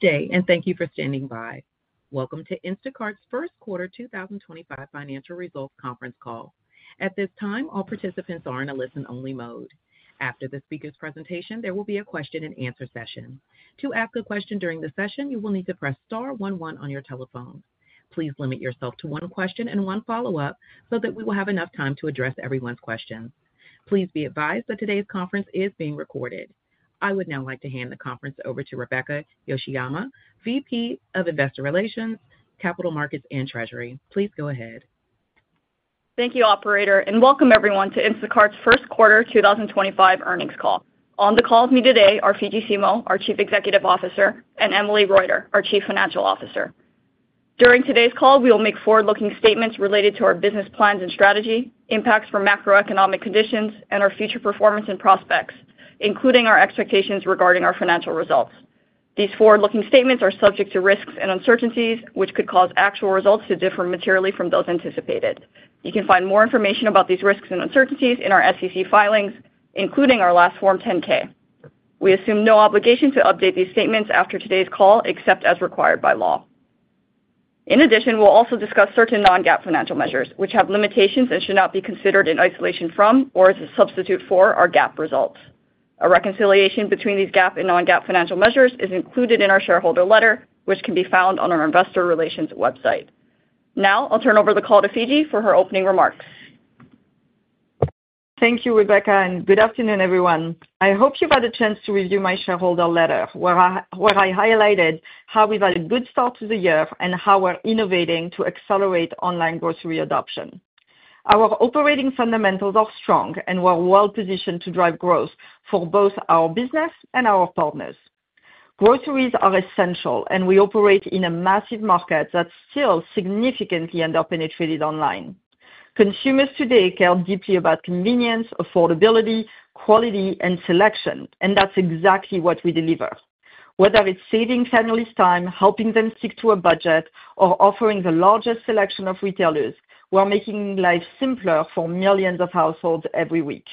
Good day, and thank you for standing by. Welcome to Instacart's First Quarter 2025 Financial Results Conference Call. At this time, all participants are in a listen-only mode. After the speaker's presentation, there will be a question-and-answer session. To ask a question during the session, you will need to press star 11 on your telephone. Please limit yourself to one question and one follow-up so that we will have enough time to address everyone's questions. Please be advised that today's conference is being recorded. I would now like to hand the conference over to Rebecca Yoshiyama, VP of Investor Relations, Capital Markets, and Treasury. Please go ahead. Thank you, Operator, and welcome everyone to Instacart's First Quarter 2025 Earnings Call. On the call with me today are Fidji Simo, our Chief Executive Officer, and Emily Reuter, our Chief Financial Officer. During today's call, we will make forward-looking statements related to our business plans and strategy, impacts from macroeconomic conditions, and our future performance and prospects, including our expectations regarding our financial results. These forward-looking statements are subject to risks and uncertainties, which could cause actual results to differ materially from those anticipated. You can find more information about these risks and uncertainties in our SEC filings, including our last Form 10-K. We assume no obligation to update these statements after today's call, except as required by law. In addition, we'll also discuss certain non-GAAP financial measures, which have limitations and should not be considered in isolation from or as a substitute for our GAAP results. A reconciliation between these GAAP and non-GAAP financial measures is included in our shareholder letter, which can be found on our Investor Relations website. Now, I'll turn over the call to Fidji for her opening remarks. Thank you, Rebecca, and good afternoon, everyone. I hope you've had a chance to review my shareholder letter, where I highlighted how we've had a good start to the year and how we're innovating to accelerate online grocery adoption. Our operating fundamentals are strong, and we're well-positioned to drive growth for both our business and our partners. Groceries are essential, and we operate in a massive market that's still significantly underpenetrated online. Consumers today care deeply about convenience, affordability, quality, and selection, and that's exactly what we deliver. Whether it's saving families' time, helping them stick to a budget, or offering the largest selection of retailers, we're making life simpler for millions of households every week.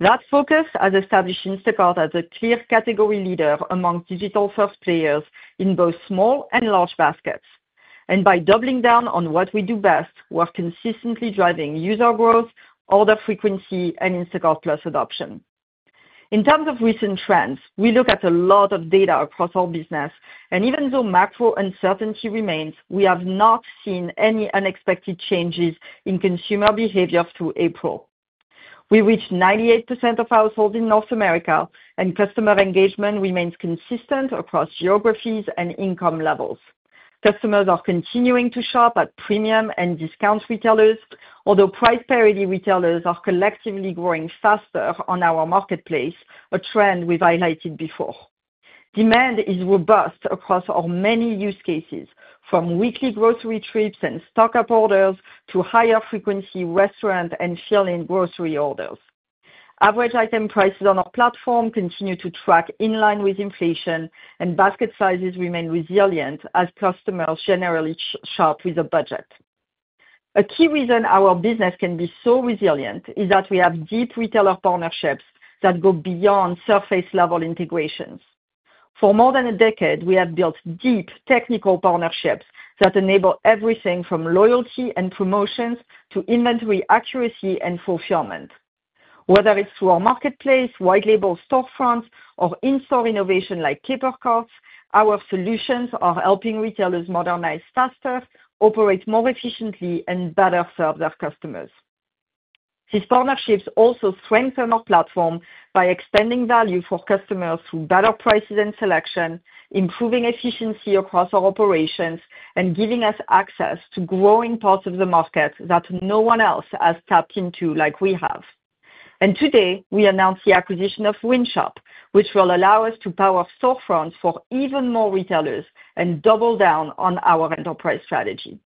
That focus has established Instacart as a clear category leader among digital first players in both small and large baskets. By doubling down on what we do best, we're consistently driving user growth, order frequency, and Instacart Plus adoption. In terms of recent trends, we look at a lot of data across our business, and even though macro uncertainty remains, we have not seen any unexpected changes in consumer behavior through April. We reached 98% of households in North America, and customer engagement remains consistent across geographies and income levels. Customers are continuing to shop at premium and discount retailers, although price parity retailers are collectively growing faster on our marketplace, a trend we've highlighted before. Demand is robust across our many use cases, from weekly grocery trips and stock-up orders to higher-frequency restaurant and fill-in grocery orders. Average item prices on our platform continue to track in line with inflation, and basket sizes remain resilient as customers generally shop with a budget. A key reason our business can be so resilient is that we have deep retailer partnerships that go beyond surface-level integrations. For more than a decade, we have built deep technical partnerships that enable everything from loyalty and promotions to inventory accuracy and fulfillment. Whether it's through our marketplace, white-label storefronts, or in-store innovation like Paper Carts, our solutions are helping retailers modernize faster, operate more efficiently, and better serve their customers. These partnerships also strengthen our platform by expanding value for customers through better prices and selection, improving efficiency across our operations, and giving us access to growing parts of the market that no one else has tapped into like we have. Today, we announced the acquisition of Wynshop, which will allow us to power storefronts for even more retailers and double down on our enterprise strategy.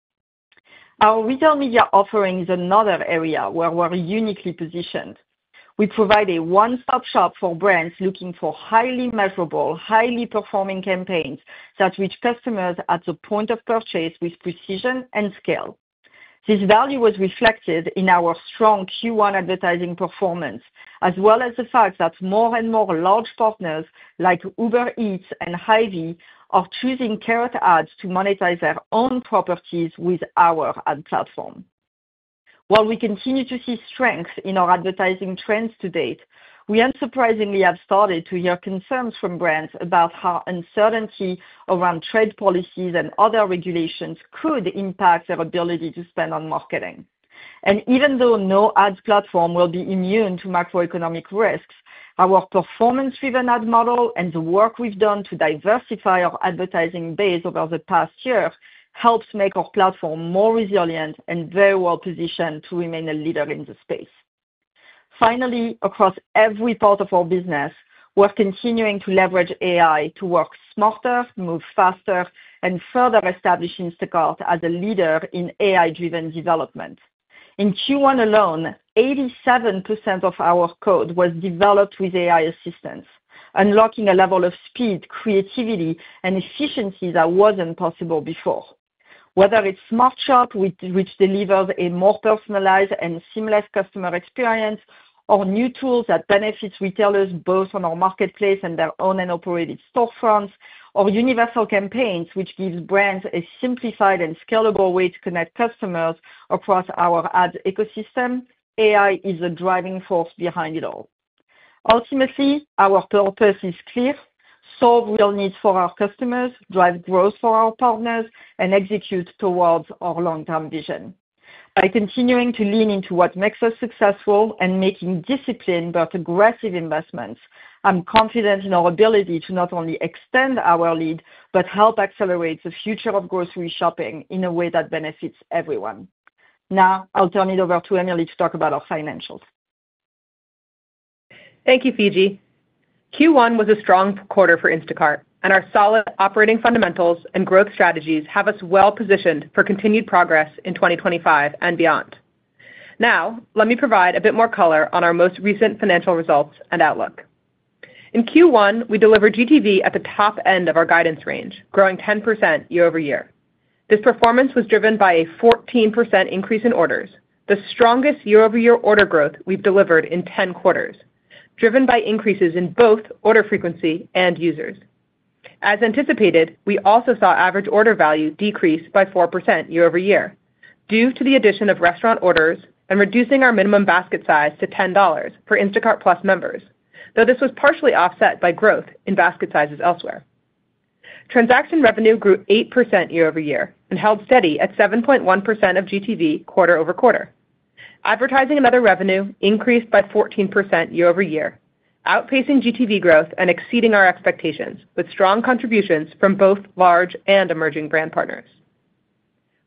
Our retail media offering is another area where we're uniquely positioned. We provide a one-stop shop for brands looking for highly measurable, highly performing campaigns that reach customers at the point of purchase with precision and scale. This value was reflected in our strong Q1 advertising performance, as well as the fact that more and more large partners like Uber Eats and Hy-Vee are choosing Carrot Ads to monetize their own properties with our ad platform. While we continue to see strength in our advertising trends to date, we unsurprisingly have started to hear concerns from brands about how uncertainty around trade policies and other regulations could impact their ability to spend on marketing. Even though no ad platform will be immune to macroeconomic risks, our performance-driven ad model and the work we have done to diversify our advertising base over the past year helps make our platform more resilient and very well-positioned to remain a leader in the space. Finally, across every part of our business, we're continuing to leverage AI to work smarter, move faster, and further establish Instacart as a leader in AI-driven development. In Q1 alone, 87% of our code was developed with AI assistance, unlocking a level of speed, creativity, and efficiency that was not possible before. Whether it's Smart Shop, which delivers a more personalized and seamless customer experience, or new tools that benefit retailers both on our marketplace and their own and operated storefronts, or universal campaigns, which gives brands a simplified and scalable way to connect customers across our ad ecosystem, AI is the driving force behind it all. Ultimately, our purpose is clear: solve real needs for our customers, drive growth for our partners, and execute towards our long-term vision. By continuing to lean into what makes us successful and making disciplined but aggressive investments, I'm confident in our ability to not only extend our lead but help accelerate the future of grocery shopping in a way that benefits everyone. Now, I'll turn it over to Emily to talk about our financials. Thank you, Fidji. Q1 was a strong quarter for Instacart, and our solid operating fundamentals and growth strategies have us well-positioned for continued progress in 2025 and beyond. Now, let me provide a bit more color on our most recent financial results and outlook. In Q1, we delivered GTV at the top end of our guidance range, growing 10% year over year. This performance was driven by a 14% increase in orders, the strongest year-over-year order growth we've delivered in 10 quarters, driven by increases in both order frequency and users. As anticipated, we also saw average order value decrease by 4% year over year due to the addition of restaurant orders and reducing our minimum basket size to $10 for Instacart Plus members, though this was partially offset by growth in basket sizes elsewhere. Transaction revenue grew 8% year over year and held steady at 7.1% of GTV quarter over quarter. Advertising and other revenue increased by 14% year over year, outpacing GTV growth and exceeding our expectations with strong contributions from both large and emerging brand partners.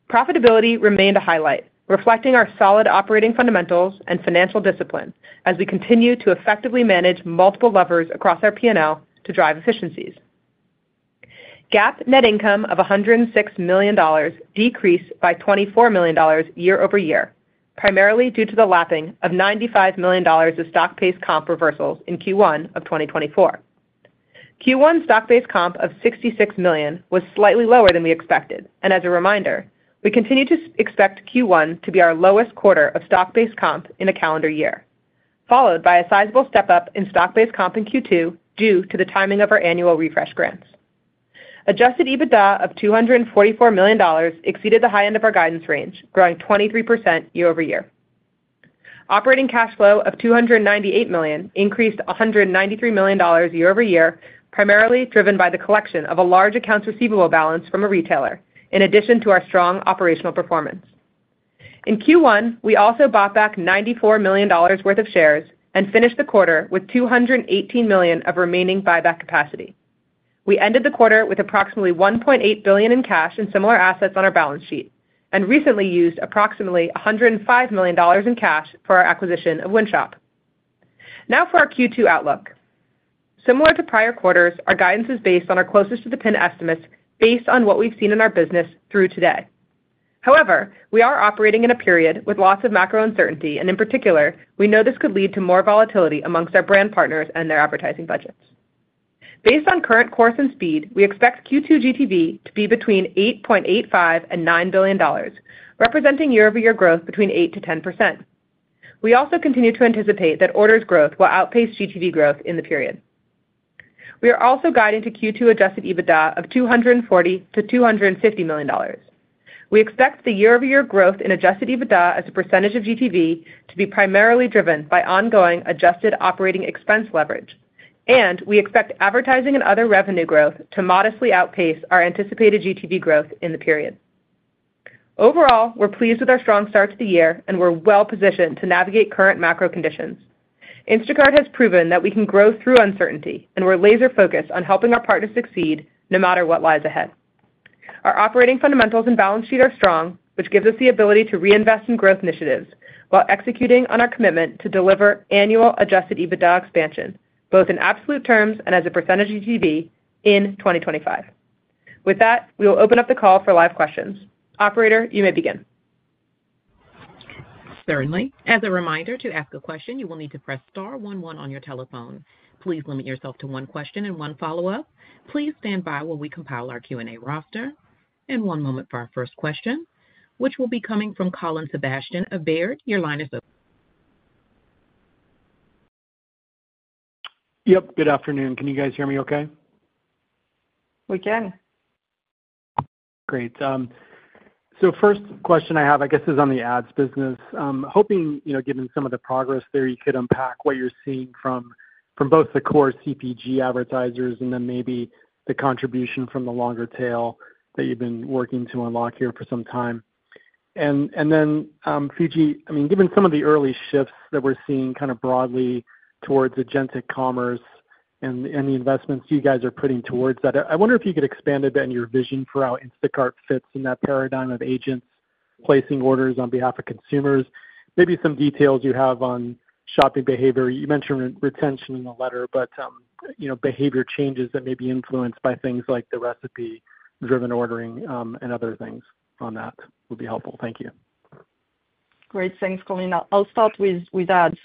Profitability remained a highlight, reflecting our solid operating fundamentals and financial discipline as we continue to effectively manage multiple levers across our P&L to drive efficiencies. GAAP net income of $106 million decreased by $24 million year over year, primarily due to the lapping of $95 million of stock-based comp reversals in Q1 of 2024. Q1 stock-based comp of $66 million was slightly lower than we expected, and as a reminder, we continue to expect Q1 to be our lowest quarter of stock-based comp in a calendar year, followed by a sizable step-up in stock-based comp in Q2 due to the timing of our annual refresh grants. Adjusted EBITDA of $244 million exceeded the high end of our guidance range, growing 23% year over year. Operating cash flow of $298 million increased $193 million year over year, primarily driven by the collection of a large accounts receivable balance from a retailer, in addition to our strong operational performance. In Q1, we also bought back $94 million worth of shares and finished the quarter with $218 million of remaining buyback capacity. We ended the quarter with approximately $1.8 billion in cash and similar assets on our balance sheet and recently used approximately $105 million in cash for our acquisition of Wynshop. Now for our Q2 outlook. Similar to prior quarters, our guidance is based on our closest-to-the-pin estimates based on what we've seen in our business through today. However, we are operating in a period with lots of macro uncertainty, and in particular, we know this could lead to more volatility amongst our brand partners and their advertising budgets. Based on current course and speed, we expect Q2 GTV to be between $8.85 billion and $9 billion, representing year-over-year growth between 8% to 10%. We also continue to anticipate that orders growth will outpace GTV growth in the period. We are also guiding to Q2 adjusted EBITDA of $240 million-$250 million. We expect the year-over-year growth in adjusted EBITDA as a percentage of GTV to be primarily driven by ongoing adjusted operating expense leverage, and we expect advertising and other revenue growth to modestly outpace our anticipated GTV growth in the period. Overall, we're pleased with our strong start to the year, and we're well-positioned to navigate current macro conditions. Instacart has proven that we can grow through uncertainty, and we're laser-focused on helping our partners succeed no matter what lies ahead. Our operating fundamentals and balance sheet are strong, which gives us the ability to reinvest in growth initiatives while executing on our commitment to deliver annual adjusted EBITDA expansion, both in absolute terms and as a percentage of GTV in 2025. With that, we will open up the call for live questions. Operator, you may begin. Certainly. As a reminder, to ask a question, you will need to press star 11 on your telephone. Please limit yourself to one question and one follow-up. Please stand by while we compile our Q&A roster. One moment for our first question, which will be coming from Colin Sebastian of Baird. Your line is open. Yep. Good afternoon. Can you guys hear me okay? We can. Great. First question I have, I guess, is on the ads business. Hoping, given some of the progress there, you could unpack what you're seeing from both the core CPG advertisers and then maybe the contribution from the longer tail that you've been working to unlock here for some time. I mean, given some of the early shifts that we're seeing kind of broadly towards agentic commerce and the investments you guys are putting towards that, I wonder if you could expand a bit on your vision for how Instacart fits in that paradigm of agents placing orders on behalf of consumers. Maybe some details you have on shopping behavior. You mentioned retention in the letter, but behavior changes that may be influenced by things like the recipe-driven ordering and other things on that would be helpful. Thank you. Great. Thanks, Colin. I'll start with ads.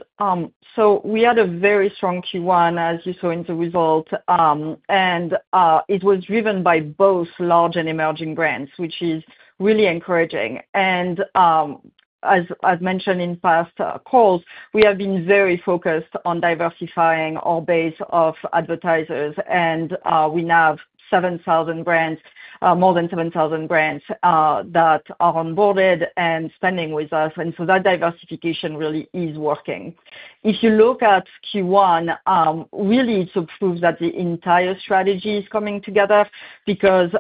We had a very strong Q1, as you saw in the result, and it was driven by both large and emerging brands, which is really encouraging. As I've mentioned in past calls, we have been very focused on diversifying our base of advertisers, and we now have more than 7,000 brands that are onboarded and spending with us. That diversification really is working. If you look at Q1, really, it's a proof that the entire strategy is coming together because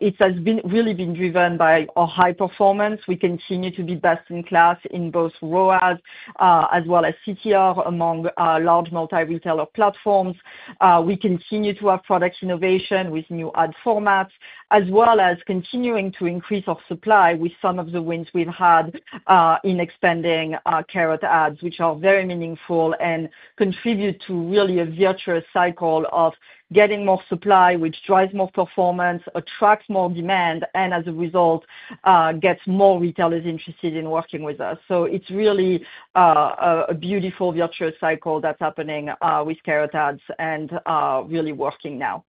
it has really been driven by our high performance. We continue to be best in class in both ROAS as well as CTR among large multi-retail platforms. We continue to have product innovation with new ad formats, as well as continuing to increase our supply with some of the wins we've had in expanding Carrot Ads, which are very meaningful and contribute to really a virtuous cycle of getting more supply, which drives more performance, attracts more demand, and as a result, gets more retailers interested in working with us. It is really a beautiful virtuous cycle that's happening with Carrot Ads and really working now.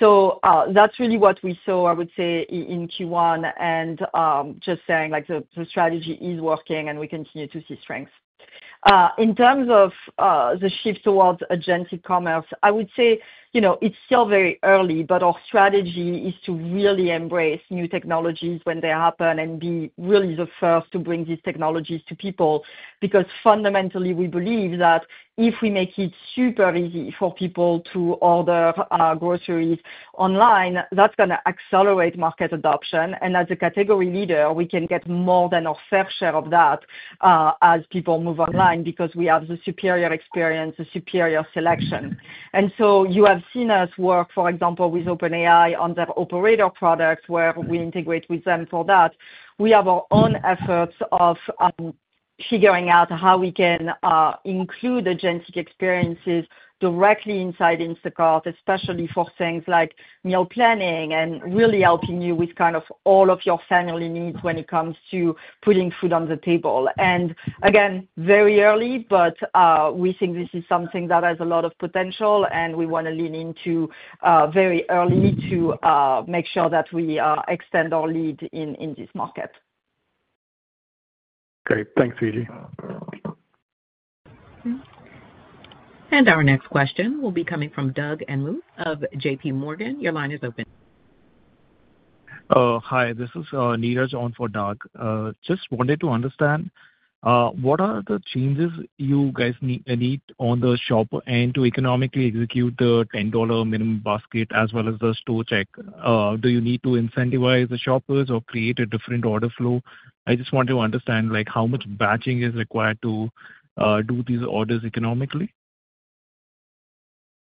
That is really what we saw, I would say, in Q1, and just saying the strategy is working and we continue to see strength. In terms of the shift towards agentic commerce, I would say it's still very early, but our strategy is to really embrace new technologies when they happen and be really the first to bring these technologies to people because fundamentally, we believe that if we make it super easy for people to order groceries online, that's going to accelerate market adoption. As a category leader, we can get more than our fair share of that as people move online because we have the superior experience, the superior selection. You have seen us work, for example, with OpenAI on their operator products where we integrate with them for that. We have our own efforts of figuring out how we can include agentic experiences directly inside Instacart, especially for things like meal planning and really helping you with kind of all of your family needs when it comes to putting food on the table. Very early, but we think this is something that has a lot of potential, and we want to lean into very early to make sure that we extend our lead in this market. Great. Thanks, Fidji. Our next question will be coming from Neeraj Sandhu of JPMorgan. Your line is open. Oh, hi. This is Neeraj on for Dhak. Just wanted to understand what are the changes you guys need on the shopper end to economically execute the $10 minimum basket as well as the store check? Do you need to incentivize the shoppers or create a different order flow? I just want to understand how much batching is required to do these orders economically.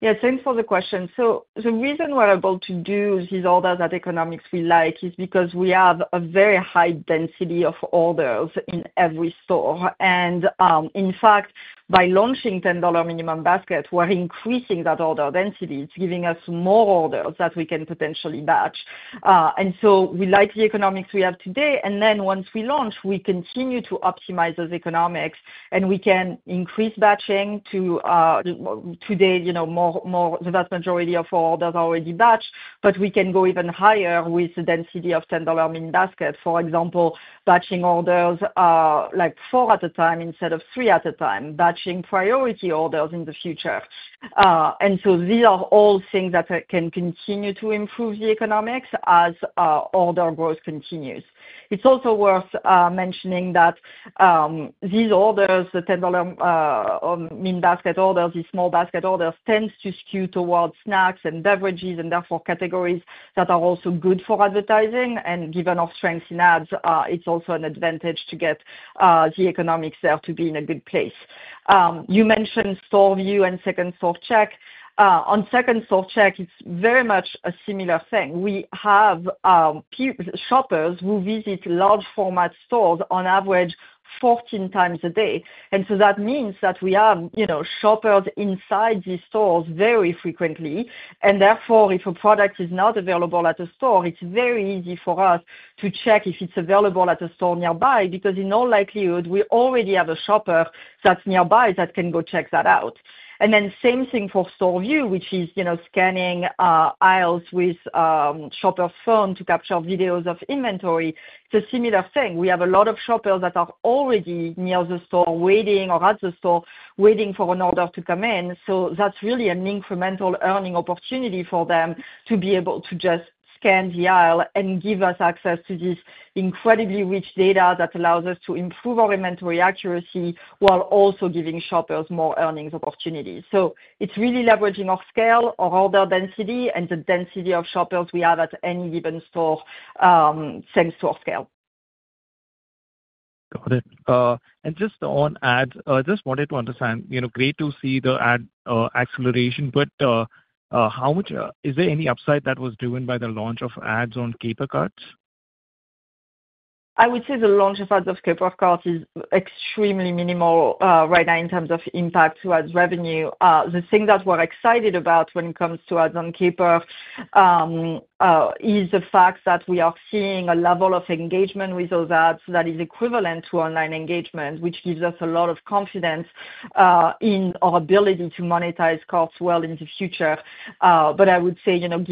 Yeah. Thanks for the question. The reason we're able to do all those economics we like is because we have a very high density of orders in every store. In fact, by launching $10 minimum basket, we're increasing that order density. It's giving us more orders that we can potentially batch. We like the economics we have today. Once we launch, we continue to optimize those economics, and we can increase batching. Today, the vast majority of our orders are already batched, but we can go even higher with the density of $10 minimum basket, for example, batching orders like four at a time instead of three at a time, batching priority orders in the future. These are all things that can continue to improve the economics as order growth continues. It's also worth mentioning that these orders, the $10 minimum basket orders, these small basket orders tend to skew towards snacks and beverages and therefore categories that are also good for advertising. Given our strength in ads, it's also an advantage to get the economics there to be in a good place. You mentioned Store View and second store check. On second store check, it's very much a similar thing. We have shoppers who visit large format stores on average 14 times a day. That means that we have shoppers inside these stores very frequently. Therefore, if a product is not available at a store, it's very easy for us to check if it's available at a store nearby because in all likelihood, we already have a shopper that's nearby that can go check that out. The same thing applies for Store View, which is scanning aisles with a shopper's phone to capture videos of inventory. It is a similar thing. We have a lot of shoppers that are already near the store waiting or at the store waiting for an order to come in. That is really an incremental earning opportunity for them to be able to just scan the aisle and give us access to this incredibly rich data that allows us to improve our inventory accuracy while also giving shoppers more earnings opportunities. It is really leveraging our scale, our order density, and the density of shoppers we have at any given store, same store scale. Got it. Just on ads, I just wanted to understand. Great to see the ad acceleration, but is there any upside that was driven by the launch of ads on Caper Carts? I would say the launch of ads of Caper Carts is extremely minimal right now in terms of impact to ad revenue. The thing that we're excited about when it comes to ads on paper is the fact that we are seeing a level of engagement with those ads that is equivalent to online engagement, which gives us a lot of confidence in our ability to monetize carts well in the future. I would say, given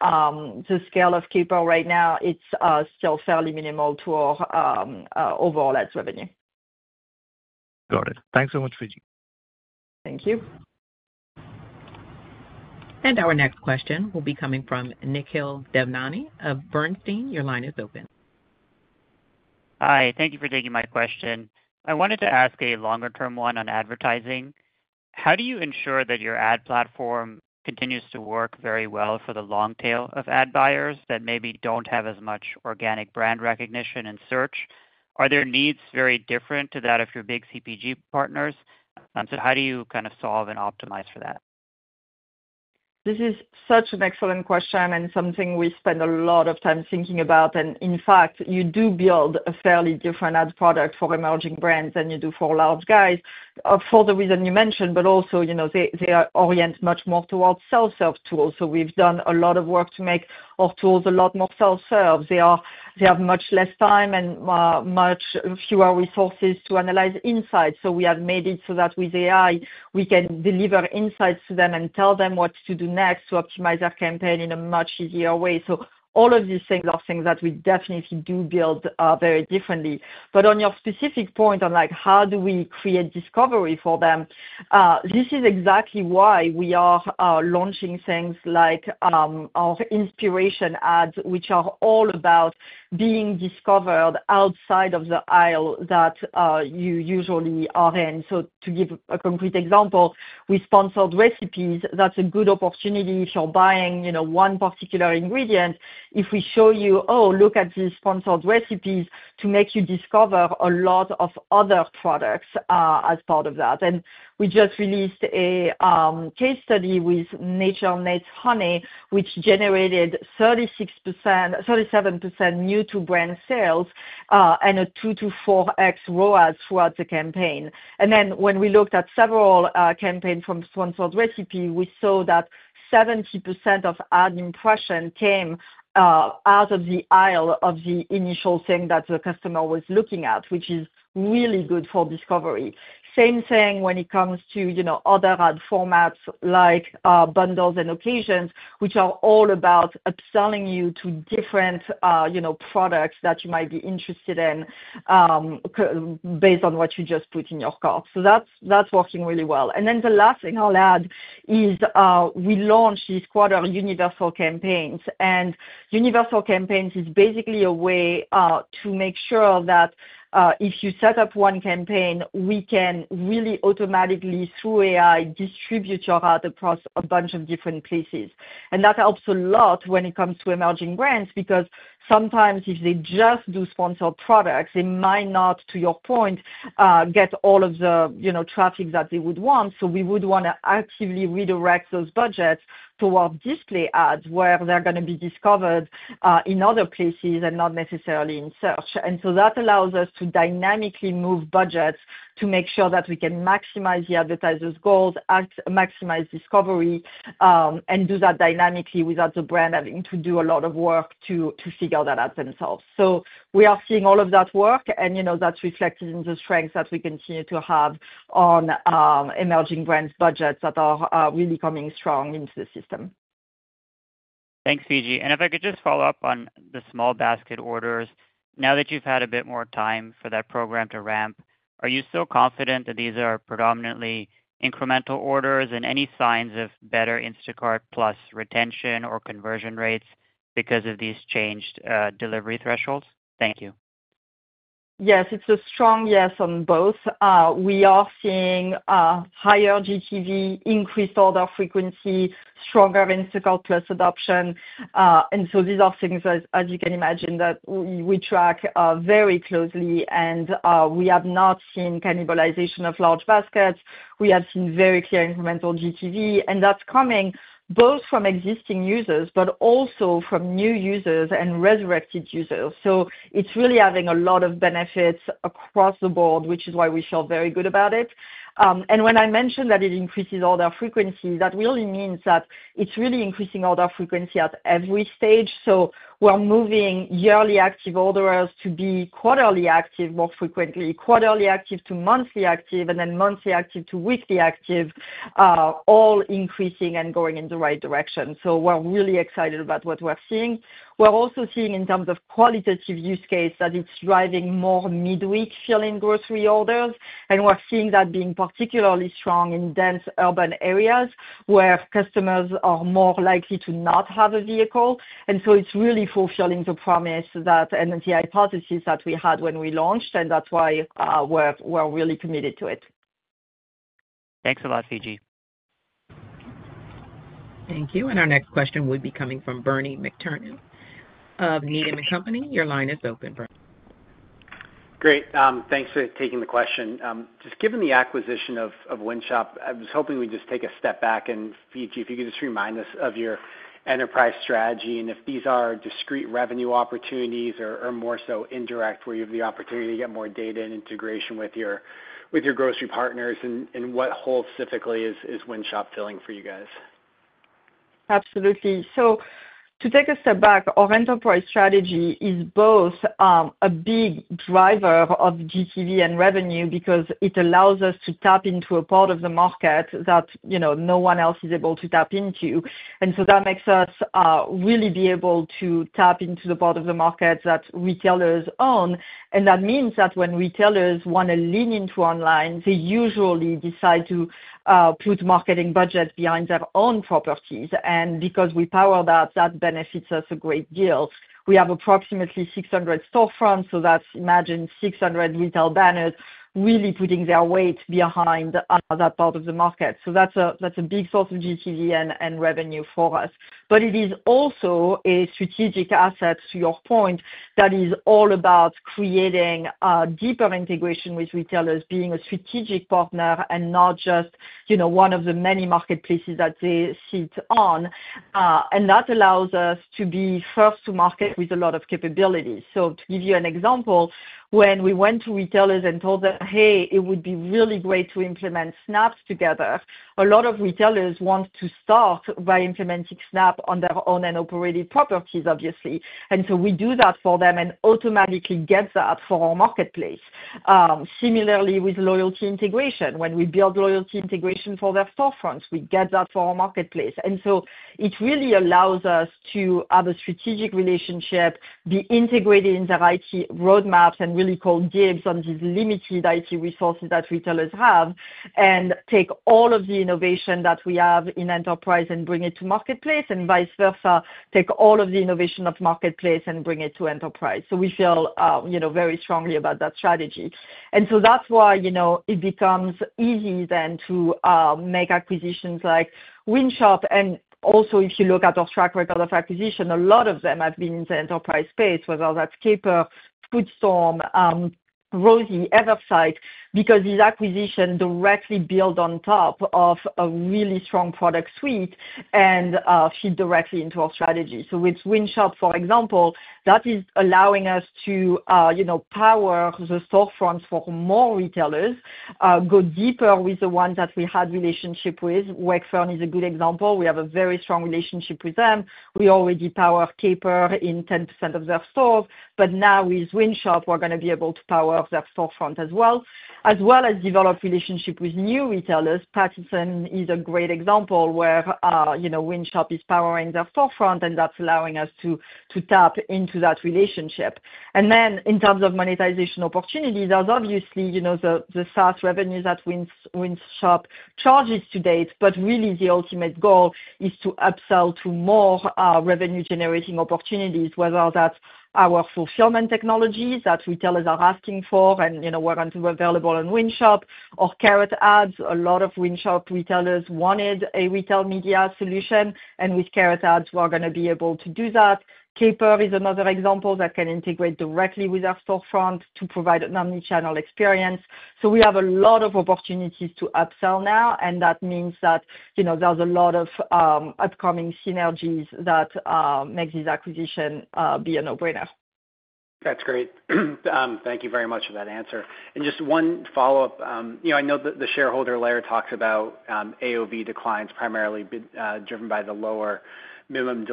the scale of paper right now, it's still fairly minimal to our overall ads revenue. Got it. Thanks so much, Fidji. Thank you. Our next question will be coming from Nikhil Devnani of Bernstein. Your line is open. Hi. Thank you for taking my question. I wanted to ask a longer-term one on advertising. How do you ensure that your ad platform continues to work very well for the long tail of ad buyers that maybe don't have as much organic brand recognition and search? Are their needs very different to that of your big CPG partners? How do you kind of solve and optimize for that? This is such an excellent question and something we spend a lot of time thinking about. In fact, you do build a fairly different ad product for emerging brands than you do for large guys for the reason you mentioned, but also they orient much more towards self-serve tools. We have done a lot of work to make our tools a lot more self-serve. They have much less time and much fewer resources to analyze insights. We have made it so that with AI, we can deliver insights to them and tell them what to do next to optimize our campaign in a much easier way. All of these things are things that we definitely do build very differently. On your specific point on how do we create discovery for them, this is exactly why we are launching things like our Inspiration Ads, which are all about being discovered outside of the aisle that you usually are in. To give a concrete example, we have Sponsored Recipes. That's a good opportunity if you're buying one particular ingredient. If we show you, "Oh, look at these Sponsored Recipes," to make you discover a lot of other products as part of that. We just released a case study with Nature Nate's Honey, which generated 36%-37% new-to-brand sales and a 2-4x ROAS throughout the campaign. When we looked at several campaigns from Sponsored Recipes, we saw that 70% of ad impression came out of the aisle of the initial thing that the customer was looking at, which is really good for discovery. Same thing when it comes to other ad formats like Bundles and Occasions, which are all about upselling you to different products that you might be interested in based on what you just put in your cart. That is working really well. The last thing I'll add is we launched this quarter Universal Campaigns. Universal Campaigns is basically a way to make sure that if you set up one campaign, we can really automatically, through AI, distribute your ad across a bunch of different places. That helps a lot when it comes to emerging brands because sometimes if they just do sponsored products, they might not, to your point, get all of the traffic that they would want. We would want to actively redirect those budgets towards display ads where they're going to be discovered in other places and not necessarily in search. That allows us to dynamically move budgets to make sure that we can maximize the advertisers' goals, maximize discovery, and do that dynamically without the brand having to do a lot of work to figure that out themselves. We are seeing all of that work, and that's reflected in the strengths that we continue to have on emerging brands' budgets that are really coming strong into the system. Thanks, Fidji. If I could just follow up on the small basket orders, now that you've had a bit more time for that program to ramp, are you still confident that these are predominantly incremental orders and any signs of better Instacart Plus retention or conversion rates because of these changed delivery thresholds? Thank you. Yes. It's a strong yes on both. We are seeing higher GTV, increased order frequency, stronger Instacart Plus adoption. These are things, as you can imagine, that we track very closely. We have not seen cannibalization of large baskets. We have seen very clear incremental GTV. That's coming both from existing users, but also from new users and resurrected users. It is really having a lot of benefits across the board, which is why we feel very good about it. When I mentioned that it increases order frequency, that really means that it's really increasing order frequency at every stage. We are moving yearly active orders to be quarterly active more frequently, quarterly active to monthly active, and then monthly active to weekly active, all increasing and going in the right direction. We are really excited about what we're seeing. We're also seeing in terms of qualitative use case that it's driving more midweek fill-in grocery orders. We're seeing that being particularly strong in dense urban areas where customers are more likely to not have a vehicle. It's really fulfilling the promise and the hypothesis that we had when we launched, and that's why we're really committed to it. Thanks a lot, Fidji. Thank you. Our next question will be coming from Bernie McTernan of Needham & Company. Your line is open, Bernie. Great. Thanks for taking the question. Just given the acquisition of Wynshop, I was hoping we'd just take a step back and Fidji, if you could just remind us of your enterprise strategy and if these are discrete revenue opportunities or more so indirect where you have the opportunity to get more data and integration with your grocery partners and what holes specifically is Wynshop filling for you guys? Absolutely. To take a step back, our enterprise strategy is both a big driver of GTV and revenue because it allows us to tap into a part of the market that no one else is able to tap into. That makes us really be able to tap into the part of the market that retailers own. That means that when retailers want to lean into online, they usually decide to put marketing budgets behind their own properties. Because we power that, that benefits us a great deal. We have approximately 600 storefronts, so that's imagine 600 retail banners really putting their weight behind another part of the market. That is a big source of GTV and revenue for us. It is also a strategic asset, to your point, that is all about creating deeper integration with retailers, being a strategic partner and not just one of the many marketplaces that they sit on. That allows us to be first to market with a lot of capabilities. To give you an example, when we went to retailers and told them, "Hey, it would be really great to implement Snaps together," a lot of retailers want to start by implementing Snap on their own and operated properties, obviously. We do that for them and automatically get that for our marketplace. Similarly, with loyalty integration, when we build loyalty integration for their storefronts, we get that for our marketplace. It really allows us to have a strategic relationship, be integrated in their IT roadmaps, and really call dibs on these limited IT resources that retailers have and take all of the innovation that we have in enterprise and bring it to marketplace and vice versa, take all of the innovation of marketplace and bring it to enterprise. We feel very strongly about that strategy. That is why it becomes easy then to make acquisitions like Wynshop. Also, if you look at our track record of acquisition, a lot of them have been in the enterprise space, whether that is Caper, FoodStorm, Rosie, Eversight, because these acquisitions directly build on top of a really strong product suite and feed directly into our strategy. With Wynshop, for example, that is allowing us to power the storefronts for more retailers, go deeper with the ones that we had relationship with. Wakefern is a good example. We have a very strong relationship with them. We already power Kiper in 10% of their stores, but now with Wynshop, we're going to be able to power their storefront as well, as well as develop relationship with new retailers. Patterson is a great example where Wynshop is powering their storefront, and that's allowing us to tap into that relationship. In terms of monetization opportunities, there's obviously the SaaS revenues that Wynshop charges to date, but really the ultimate goal is to upsell to more revenue-generating opportunities, whether that's our fulfillment technologies that retailers are asking for and were available on Wynshop or Carrot Ads. A lot of Wynshop retailers wanted a retail media solution, and with Carrot Ads, we're going to be able to do that. Kiper is another example that can integrate directly with our storefront to provide an omnichannel experience. We have a lot of opportunities to upsell now, and that means that there are a lot of upcoming synergies that make these acquisitions be a no-brainer. That's great. Thank you very much for that answer. Just one follow-up. I know that the shareholder layer talks about AOV declines primarily driven by the lower minimum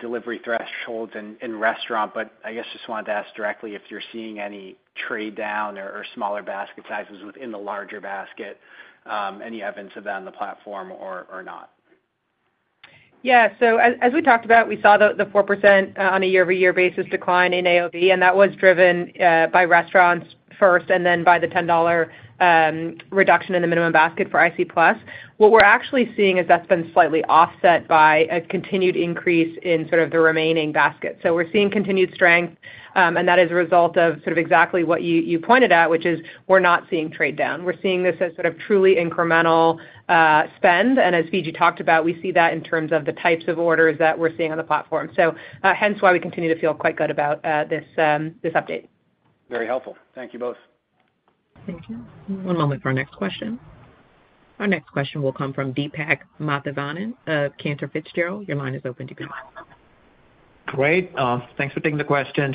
delivery thresholds in restaurants, but I guess just wanted to ask directly if you're seeing any trade-down or smaller basket sizes within the larger basket, any evidence of that on the platform or not? Yeah. As we talked about, we saw the 4% on a year-over-year basis decline in AOV, and that was driven by restaurants first and then by the $10 reduction in the minimum basket for IC Plus. What we're actually seeing is that's been slightly offset by a continued increase in sort of the remaining basket. We're seeing continued strength, and that is a result of exactly what you pointed out, which is we're not seeing trade-down. We're seeing this as truly incremental spend. As Fidji talked about, we see that in terms of the types of orders that we're seeing on the platform. Hence why we continue to feel quite good about this update. Very helpful. Thank you both. Thank you. One moment for our next question. Our next question will come from Deepak Mathivanan of Cantor Fitzgerald. Your line is open to be the next. Great. Thanks for taking the question.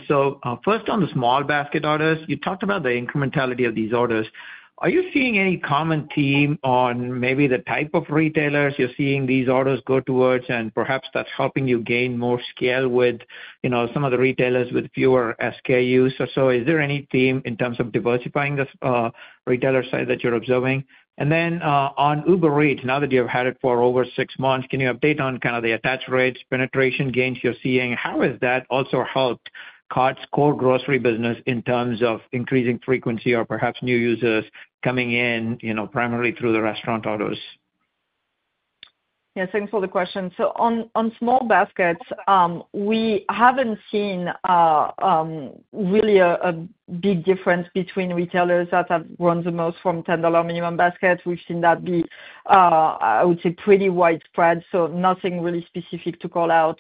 First, on the small basket orders, you talked about the incrementality of these orders. Are you seeing any common theme on maybe the type of retailers you're seeing these orders go towards, and perhaps that's helping you gain more scale with some of the retailers with fewer SKUs or so? Is there any theme in terms of diversifying the retailer side that you're observing? On Uber Eats, now that you've had it for over six months, can you update on kind of the attach rates, penetration gains you're seeing? How has that also helped Cart's core grocery business in terms of increasing frequency or perhaps new users coming in primarily through the restaurant orders? Yes. Thanks for the question. On small baskets, we have not seen really a big difference between retailers that have grown the most from $10 minimum basket. We have seen that be, I would say, pretty widespread. Nothing really specific to call out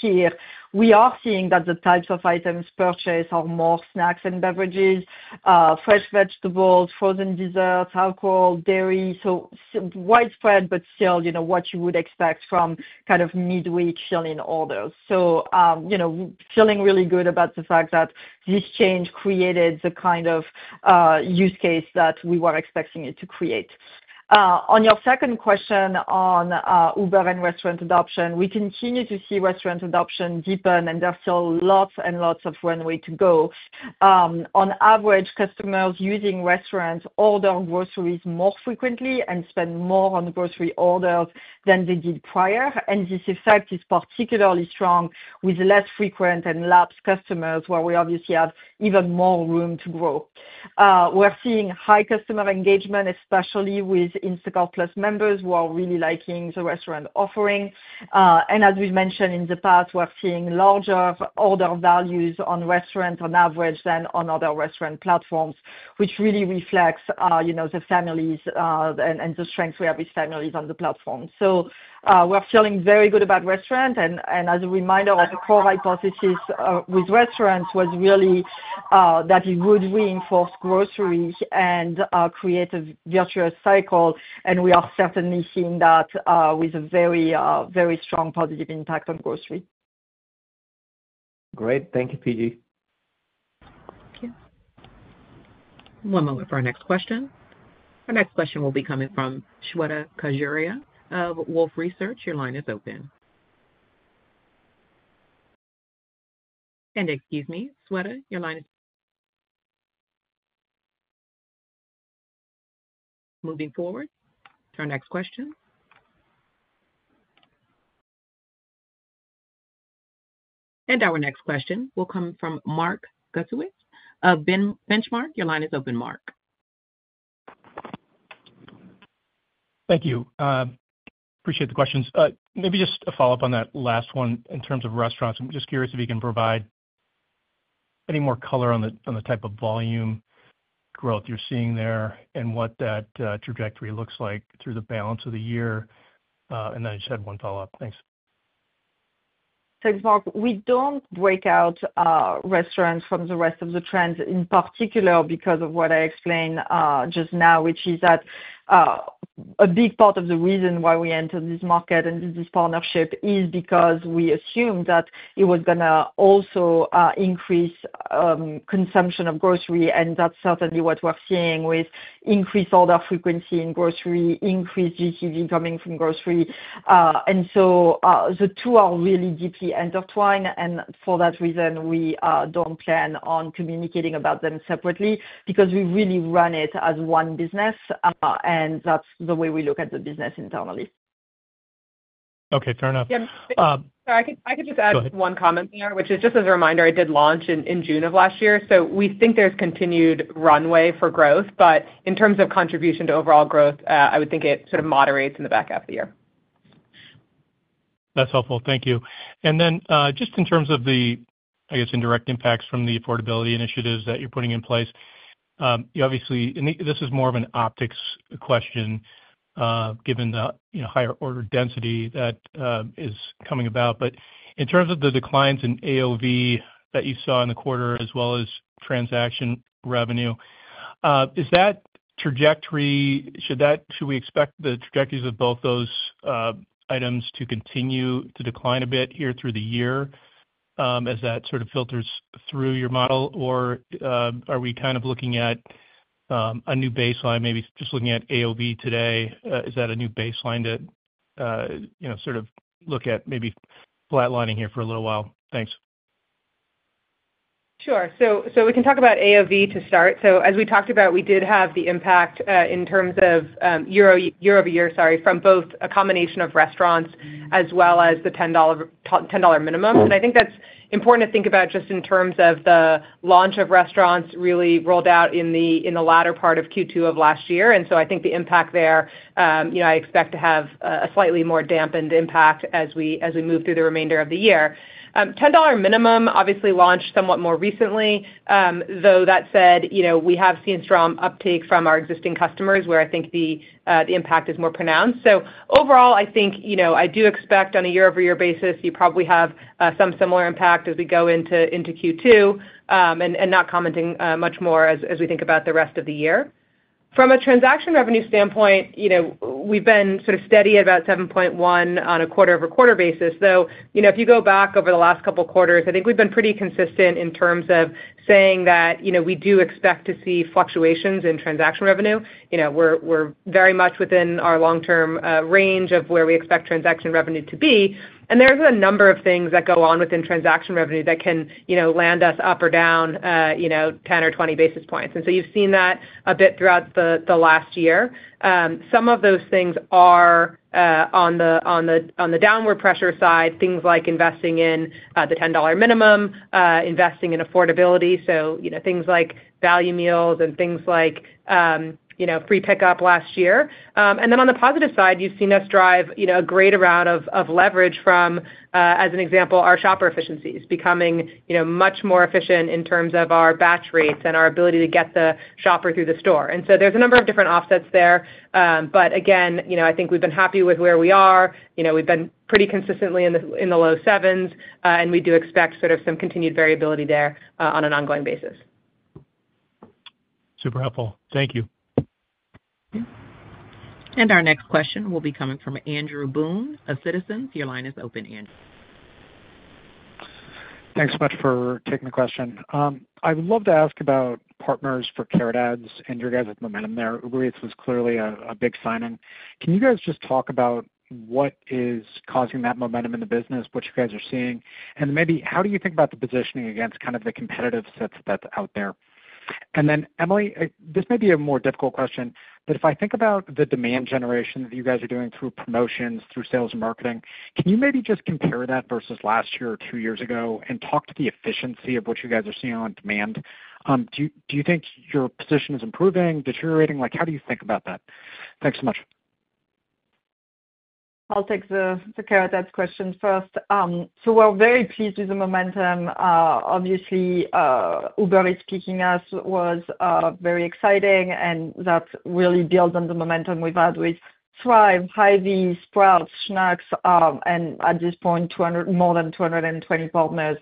here. We are seeing that the types of items purchased are more snacks and beverages, fresh vegetables, frozen desserts, alcohol, dairy. Widespread, but still what you would expect from kind of midweek fill-in orders. Feeling really good about the fact that this change created the kind of use case that we were expecting it to create. On your second question on Uber and restaurant adoption, we continue to see restaurant adoption deepen, and there is still lots and lots of runway to go. On average, customers using restaurants order groceries more frequently and spend more on grocery orders than they did prior. This effect is particularly strong with less frequent and lapsed customers where we obviously have even more room to grow. We're seeing high customer engagement, especially with Instacart Plus members who are really liking the restaurant offering. As we've mentioned in the past, we're seeing larger order values on restaurants on average than on other restaurant platforms, which really reflects the families and the strength we have with families on the platform. We are feeling very good about restaurants. As a reminder, our core hypothesis with restaurants was really that it would reinforce grocery and create a virtuous cycle. We are certainly seeing that with a very, very strong positive impact on grocery. Great. Thank you, Fidji. Thank you. One moment for our next question. Our next question will be coming from Shweta Khajuria of Wolfe Research. Your line is open. Excuse me, Shweta, your line is moving forward to our next question. Our next question will come from Mark Zgutowiz of Benchmark. Your line is open, Mark. Thank you. Appreciate the questions. Maybe just a follow-up on that last one in terms of restaurants. I'm just curious if you can provide any more color on the type of volume growth you're seeing there and what that trajectory looks like through the balance of the year. I just had one follow-up. Thanks. Thanks, Mark. We don't break out restaurants from the rest of the trends in particular because of what I explained just now, which is that a big part of the reason why we entered this market and this partnership is because we assumed that it was going to also increase consumption of grocery. That's certainly what we're seeing with increased order frequency in grocery, increased GTV coming from grocery. The two are really deeply intertwined. For that reason, we don't plan on communicating about them separately because we really run it as one business, and that's the way we look at the business internally. Okay. Fair enough. Yeah. Sorry, I could just add one comment there, which is just as a reminder, it did launch in June of last year. We think there's continued runway for growth, but in terms of contribution to overall growth, I would think it sort of moderates in the back half of the year. That's helpful. Thank you. In terms of the, I guess, indirect impacts from the affordability initiatives that you're putting in place, obviously, this is more of an optics question given the higher order density that is coming about. In terms of the declines in AOV that you saw in the quarter as well as transaction revenue, is that trajectory—should we expect the trajectories of both those items to continue to decline a bit here through the year as that sort of filters through your model, or are we kind of looking at a new baseline, maybe just looking at AOV today? Is that a new baseline to sort of look at maybe flatlining here for a little while? Thanks. Sure. We can talk about AOV to start. As we talked about, we did have the impact in terms of year-over-year, sorry, from both a combination of restaurants as well as the $10 minimum. I think that's important to think about just in terms of the launch of restaurants really rolled out in the latter part of Q2 of last year. I think the impact there, I expect to have a slightly more dampened impact as we move through the remainder of the year. The $10 minimum, obviously, launched somewhat more recently. Though that said, we have seen strong uptake from our existing customers where I think the impact is more pronounced. Overall, I think I do expect on a year-over-year basis, you probably have some similar impact as we go into Q2 and not commenting much more as we think about the rest of the year. From a transaction revenue standpoint, we've been sort of steady at about 7.1 on a quarter-over-quarter basis. Though if you go back over the last couple of quarters, I think we've been pretty consistent in terms of saying that we do expect to see fluctuations in transaction revenue. We're very much within our long-term range of where we expect transaction revenue to be. There are a number of things that go on within transaction revenue that can land us up or down 10 or 20 basis points. You have seen that a bit throughout the last year. Some of those things are on the downward pressure side, things like investing in the $10 minimum, investing in affordability, so things like value meals and things like free pickup last year. On the positive side, you've seen us drive a greater amount of leverage from, as an example, our shopper efficiencies becoming much more efficient in terms of our batch rates and our ability to get the shopper through the store. There is a number of different offsets there. Again, I think we've been happy with where we are. We've been pretty consistently in the low sevens, and we do expect sort of some continued variability there on an ongoing basis. Super helpful. Thank you. Our next question will be coming from Andrew Boone, Citizens. Your line is open, Andrew. Thanks so much for taking the question. I'd love to ask about partners for Carrot Ads and your guys' momentum there. Uber Eats was clearly a big sign-in. Can you guys just talk about what is causing that momentum in the business, what you guys are seeing, and maybe how do you think about the positioning against kind of the competitive sets that's out there? Emily, this may be a more difficult question, but if I think about the demand generation that you guys are doing through promotions, through sales and marketing, can you maybe just compare that versus last year or two years ago and talk to the efficiency of what you guys are seeing on demand? Do you think your position is improving, deteriorating? How do you think about that? Thanks so much. I'll take the Carrot Ads question first. We are very pleased with the momentum. Obviously, Uber Eats picking us was very exciting, and that really builds on the momentum we have had with Thrive, Hy-Vee, Sprouts, Schnucks, and at this point, more than 220 partners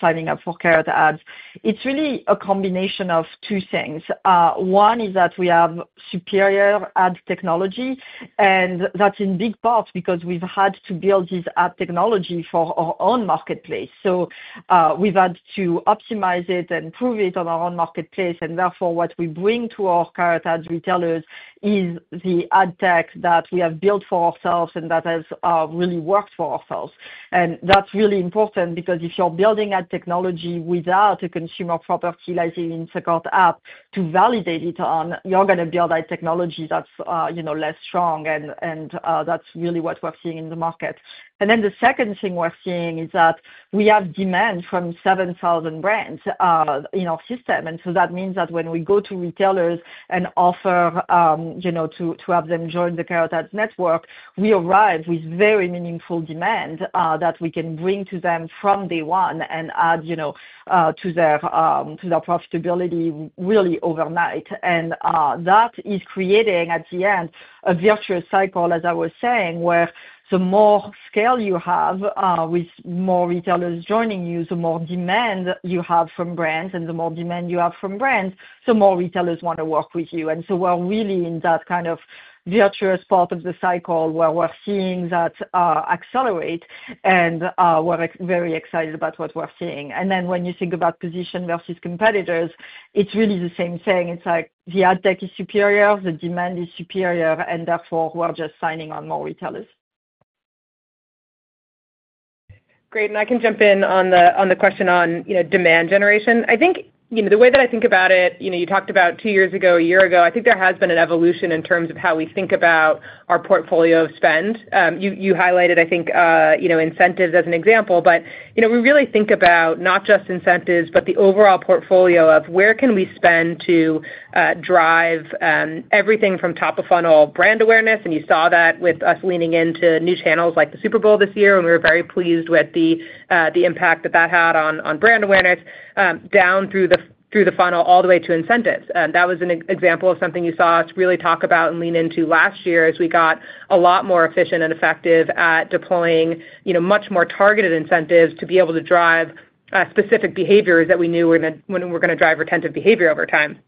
signing up for Carrot Ads. It is really a combination of two things. One is that we have superior ad technology, and that is in big part because we have had to build this ad technology for our own marketplace. We have had to optimize it and prove it on our own marketplace. Therefore, what we bring to our Carrot Ads retailers is the ad tech that we have built for ourselves and that has really worked for ourselves. That is really important because if you're building ad technology without a consumer property like the Instacart app to validate it on, you're going to build ad technology that's less strong, and that's really what we're seeing in the market. The second thing we're seeing is that we have demand from 7,000 brands in our system. That means that when we go to retailers and offer to have them join the Carrot Ads network, we arrive with very meaningful demand that we can bring to them from day one and add to their profitability really overnight. That is creating at the end a virtuous cycle, as I was saying, where the more scale you have with more retailers joining you, the more demand you have from brands, and the more demand you have from brands, the more retailers want to work with you. We're really in that kind of virtuous part of the cycle where we're seeing that accelerate, and we're very excited about what we're seeing. When you think about position versus competitors, it's really the same thing. It's like the ad tech is superior, the demand is superior, and therefore, we're just signing on more retailers. Great. I can jump in on the question on demand generation. I think the way that I think about it, you talked about two years ago, a year ago, I think there has been an evolution in terms of how we think about our portfolio of spend. You highlighted, I think, incentives as an example, but we really think about not just incentives, but the overall portfolio of where can we spend to drive everything from top of funnel brand awareness. You saw that with us leaning into new channels like the Super Bowl this year, and we were very pleased with the impact that that had on brand awareness down through the funnel all the way to incentives. That was an example of something you saw us really talk about and lean into last year as we got a lot more efficient and effective at deploying much more targeted incentives to be able to drive specific behaviors that we knew were going to drive retentive behavior over time.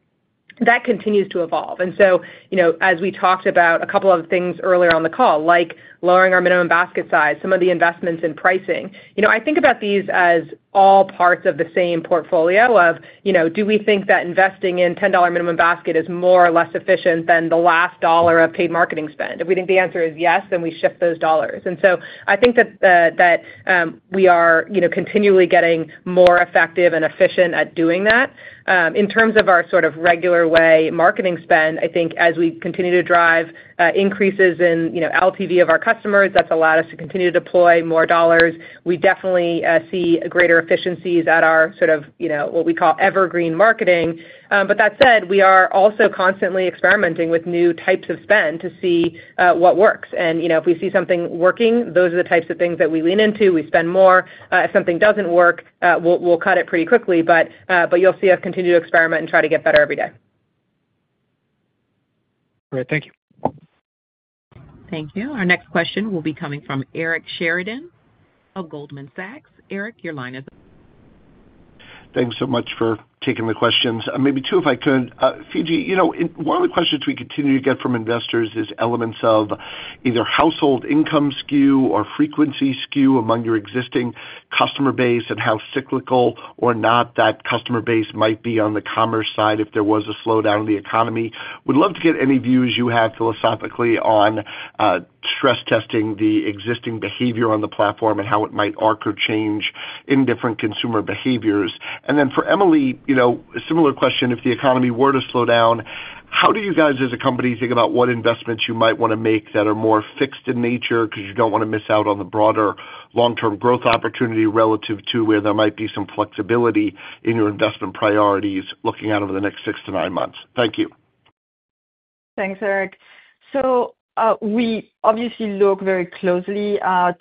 That continues to evolve. As we talked about a couple of things earlier on the call, like lowering our minimum basket size, some of the investments in pricing. I think about these as all parts of the same portfolio of do we think that investing in $10 minimum basket is more or less efficient than the last dollar of paid marketing spend? If we think the answer is yes, then we shift those dollars. I think that we are continually getting more effective and efficient at doing that. In terms of our sort of regular way marketing spend, I think as we continue to drive increases in LTV of our customers, that's allowed us to continue to deploy more dollars. We definitely see greater efficiencies at our sort of what we call evergreen marketing. That said, we are also constantly experimenting with new types of spend to see what works. If we see something working, those are the types of things that we lean into. We spend more. If something does not work, we'll cut it pretty quickly. You'll see us continue to experiment and try to get better every day. Great. Thank you. Thank you. Our next question will be coming from Eric Sheridan of Goldman Sachs. Eric, your line is. Thanks so much for taking the questions. Maybe two, if I could. Fidji, one of the questions we continue to get from investors is elements of either household income skew or frequency skew among your existing customer base and how cyclical or not that customer base might be on the commerce side if there was a slowdown in the economy. We'd love to get any views you have philosophically on stress testing the existing behavior on the platform and how it might arc or change in different consumer behaviors. For Emily, a similar question. If the economy were to slow down, how do you guys as a company think about what investments you might want to make that are more fixed in nature because you don't want to miss out on the broader long-term growth opportunity relative to where there might be some flexibility in your investment priorities looking out over the next six to nine months? Thank you. Thanks, Eric. We obviously look very closely at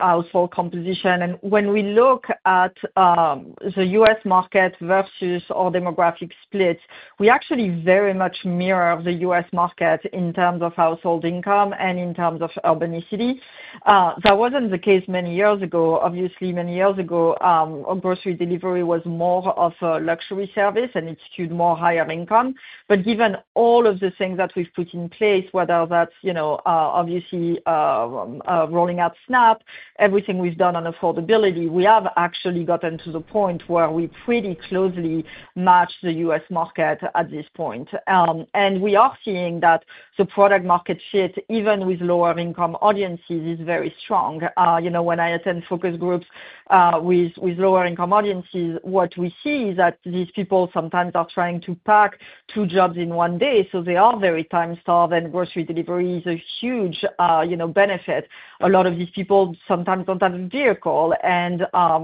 household composition. When we look at the US market versus our demographic splits, we actually very much mirror the US market in terms of household income and in terms of urbanicity. That was not the case many years ago. Many years ago, grocery delivery was more of a luxury service, and it skewed more higher income. Given all of the things that we have put in place, whether that is rolling out SNAP, everything we have done on affordability, we have actually gotten to the point where we pretty closely match the US market at this point. We are seeing that the product-market fit, even with lower-income audiences, is very strong. When I attend focus groups with lower-income audiences, what we see is that these people sometimes are trying to pack two jobs in one day. They are very time-starving, and grocery delivery is a huge benefit. A lot of these people sometimes do not have a vehicle.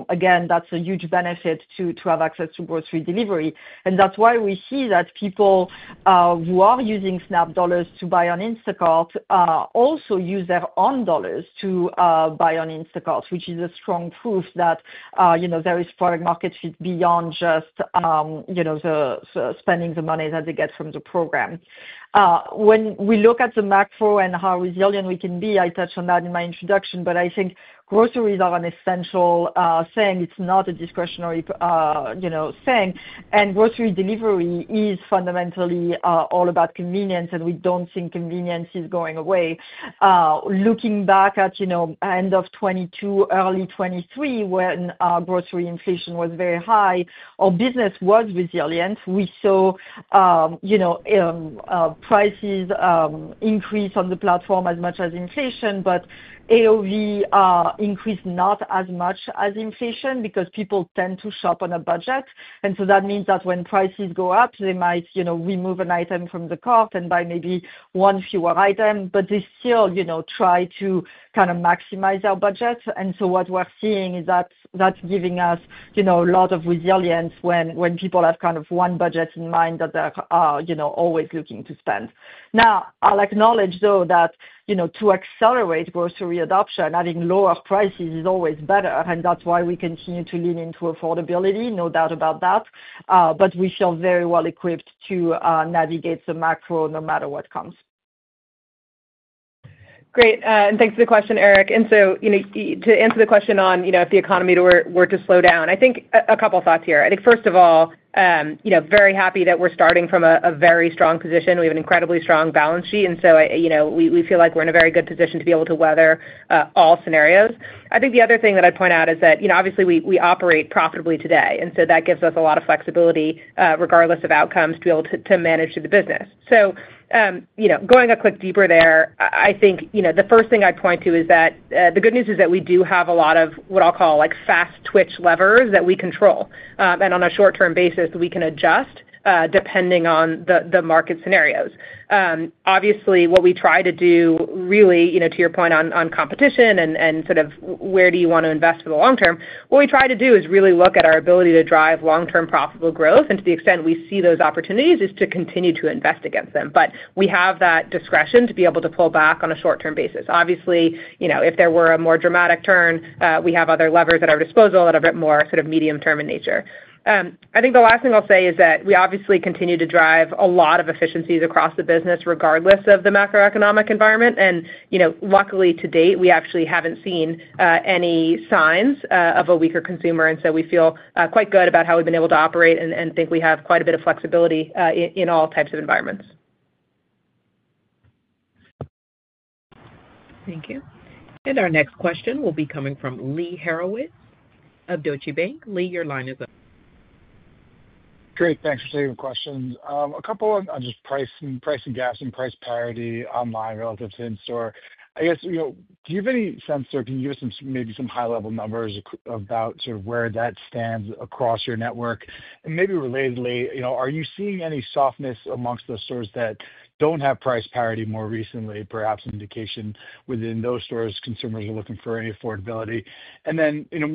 Again, that is a huge benefit to have access to grocery delivery. That is why we see that people who are using SNAP dollars to buy on Instacart also use their own dollars to buy on Instacart, which is a strong proof that there is product-market fit beyond just spending the money that they get from the program. When we look at the macro and how resilient we can be, I touched on that in my introduction, but I think groceries are an essential thing. It is not a discretionary thing. Grocery delivery is fundamentally all about convenience, and we do not think convenience is going away. Looking back at end of 2022, early 2023, when grocery inflation was very high, our business was resilient. We saw prices increase on the platform as much as inflation, but AOV increased not as much as inflation because people tend to shop on a budget. That means that when prices go up, they might remove an item from the cart and buy maybe one fewer item, but they still try to kind of maximize our budget. What we're seeing is that that's giving us a lot of resilience when people have kind of one budget in mind that they're always looking to spend. I will acknowledge, though, that to accelerate grocery adoption, having lower prices is always better, and that's why we continue to lean into affordability, no doubt about that. We feel very well equipped to navigate the macro no matter what comes. Great. Thanks for the question, Eric. To answer the question on if the economy were to slow down, I think a couple of thoughts here. First of all, very happy that we're starting from a very strong position. We have an incredibly strong balance sheet, and we feel like we're in a very good position to be able to weather all scenarios. The other thing that I'd point out is that obviously we operate profitably today, and that gives us a lot of flexibility regardless of outcomes to be able to manage the business. Going a click deeper there, the first thing I'd point to is that the good news is that we do have a lot of what I'll call fast-twitch levers that we control. On a short-term basis, we can adjust depending on the market scenarios. Obviously, what we try to do really, to your point on competition and sort of where do you want to invest for the long term, what we try to do is really look at our ability to drive long-term profitable growth. To the extent we see those opportunities is to continue to invest against them. We have that discretion to be able to pull back on a short-term basis. Obviously, if there were a more dramatic turn, we have other levers at our disposal that are a bit more sort of medium-term in nature. I think the last thing I'll say is that we obviously continue to drive a lot of efficiencies across the business regardless of the macroeconomic environment. Luckily, to date, we actually haven't seen any signs of a weaker consumer. We feel quite good about how we've been able to operate and think we have quite a bit of flexibility in all types of environments. Thank you. Our next question will be coming from Lee Harrowitt of Deutsche Bank. Lee, your line is up. Great. Thanks for taking the question. A couple of just price and gas and price parity online relative to in-store. I guess, do you have any sense or can you give us maybe some high-level numbers about sort of where that stands across your network? Maybe relatedly, are you seeing any softness amongst the stores that don't have price parity more recently, perhaps an indication within those stores consumers are looking for any affordability?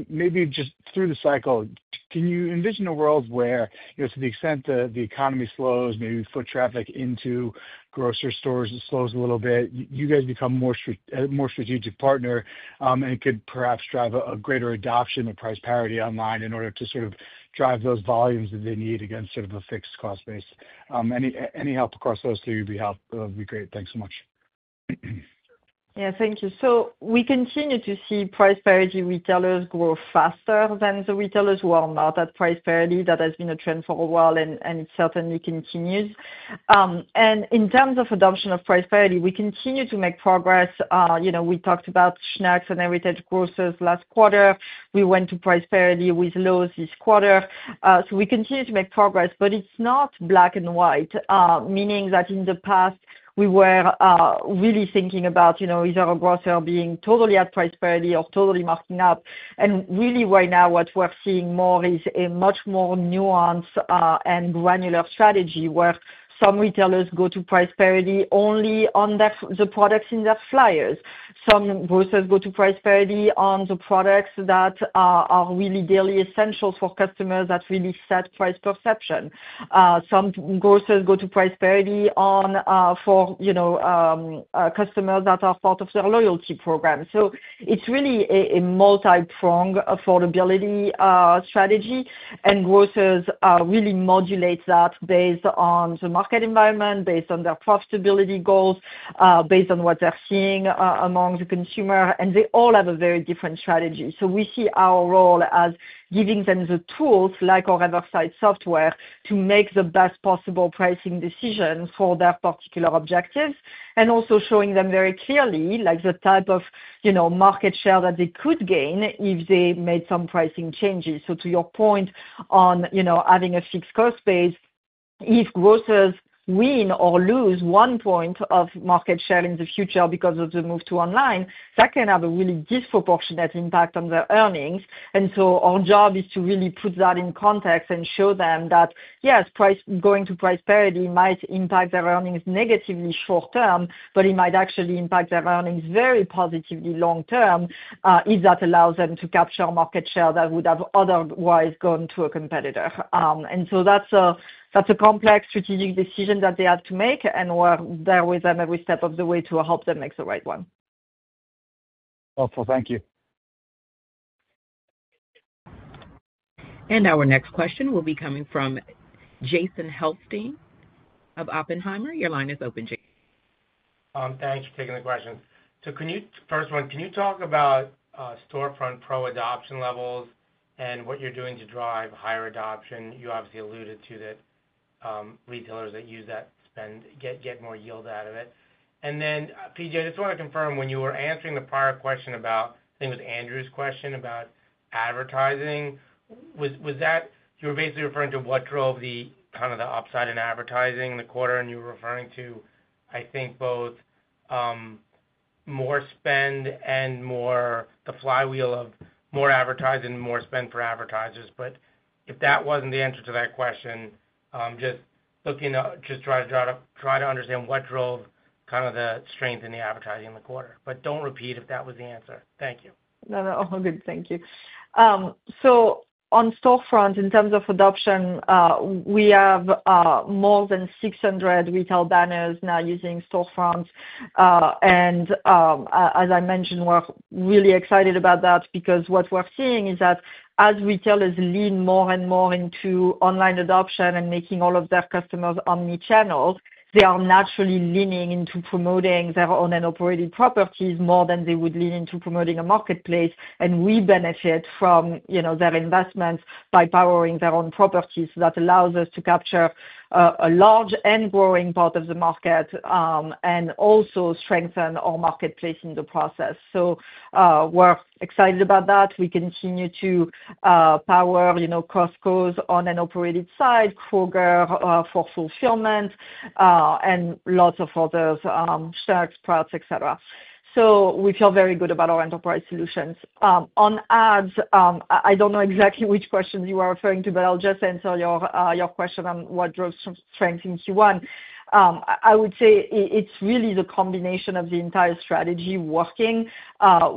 Maybe just through the cycle, can you envision a world where, to the extent that the economy slows, maybe foot traffic into grocery stores slows a little bit, you guys become a more strategic partner and could perhaps drive a greater adoption of price parity online in order to sort of drive those volumes that they need against sort of a fixed cost base? Any help across those three would be great. Thanks so much. Yeah, thank you. We continue to see price parity retailers grow faster than the retailers who are not at price parity. That has been a trend for a while, and it certainly continues. In terms of adoption of price parity, we continue to make progress. We talked about Schnucks and Heritage Grocers last quarter. We went to price parity with Lowe's this quarter. We continue to make progress, but it's not black and white, meaning that in the past, we were really thinking about either a grocer being totally at price parity or totally marking up. Really, right now, what we're seeing more is a much more nuanced and granular strategy where some retailers go to price parity only on the products in their flyers. Some grocers go to price parity on the products that are really daily essentials for customers that really set price perception. Some grocers go to price parity for customers that are part of their loyalty program. It is really a multi-pronged affordability strategy, and grocers really modulate that based on the market environment, based on their profitability goals, based on what they are seeing among the consumer. They all have a very different strategy. We see our role as giving them the tools like our Riverside software to make the best possible pricing decisions for their particular objectives and also showing them very clearly the type of market share that they could gain if they made some pricing changes. To your point on having a fixed cost base, if grocers win or lose one point of market share in the future because of the move to online, that can have a really disproportionate impact on their earnings. Our job is to really put that in context and show them that, yes, going to price parity might impact their earnings negatively short-term, but it might actually impact their earnings very positively long-term if that allows them to capture market share that would have otherwise gone to a competitor. That is a complex strategic decision that they have to make and we're there with them every step of the way to help them make the right one. Awesome. Thank you. Our next question will be coming from Jason Helfstein of Oppenheimer. Your line is open, Jason. Thanks for taking the question. First one, can you talk about storefront pro adoption levels and what you're doing to drive higher adoption? You obviously alluded to that retailers that use that spend get more yield out of it. Then, Fidji, I just want to confirm when you were answering the prior question about, I think it was Andrew's question about advertising, you were basically referring to what drove the kind of the upside in advertising in the quarter, and you were referring to, I think, both more spend and the flywheel of more advertising and more spend for advertisers. If that was not the answer to that question, just try to understand what drove kind of the strength in the advertising in the quarter. Do not repeat if that was the answer. Thank you. No, no. All good. Thank you. On storefront, in terms of adoption, we have more than 600 retail banners now using storefronts. As I mentioned, we're really excited about that because what we're seeing is that as retailers lean more and more into online adoption and making all of their customers omnichannel, they are naturally leaning into promoting their own and operated properties more than they would lean into promoting a marketplace. We benefit from their investments by powering their own properties. That allows us to capture a large and growing part of the market and also strengthen our marketplace in the process. We are excited about that. We continue to power Costco's own and operated side, Kroger for fulfillment, and lots of other snacks, products, etc. We feel very good about our enterprise solutions. On ads, I don't know exactly which question you are referring to, but I'll just answer your question on what drives strength in Q1. I would say it's really the combination of the entire strategy working.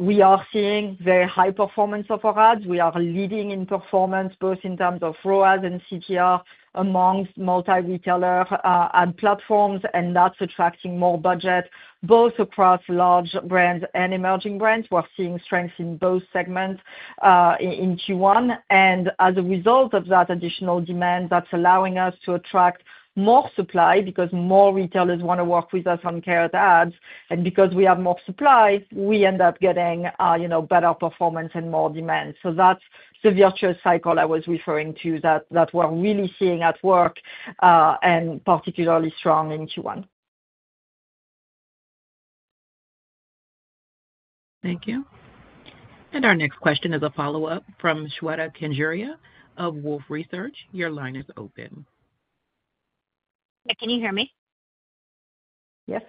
We are seeing very high performance of our ads. We are leading in performance both in terms of ROAS and CTR amongst multi-retailer ad platforms, and that's attracting more budget both across large brands and emerging brands. We're seeing strength in both segments in Q1. As a result of that additional demand, that's allowing us to attract more supply because more retailers want to work with us on Carrot Ads. Because we have more supply, we end up getting better performance and more demand. That is the virtuous cycle I was referring to that we're really seeing at work and particularly strong in Q1. Thank you. Our next question is a follow-up from Shweta Khajuria of Wolfe Research. Your line is open. Can you hear me? Yes.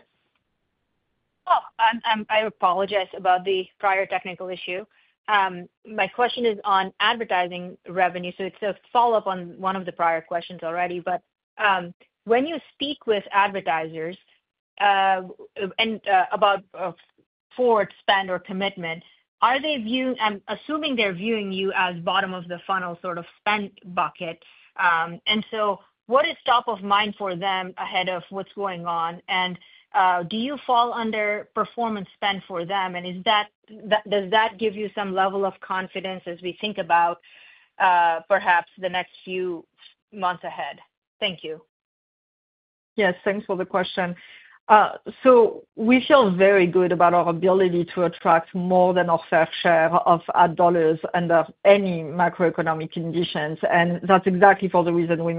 Oh, I apologize about the prior technical issue. My question is on advertising revenue. It's a follow-up on one of the prior questions already. When you speak with advertisers about forward spend or commitment, I'm assuming they're viewing you as bottom-of-the-funnel sort of spend bucket. What is top of mind for them ahead of what's going on? Do you fall under performance spend for them? Does that give you some level of confidence as we think about perhaps the next few months ahead? Thank you. Yes, thanks for the question. We feel very good about our ability to attract more than our fair share of ad dollars under any macroeconomic conditions. That is exactly for the reason you